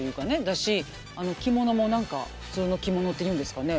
あの着物も何か普通の着物っていうんですかね。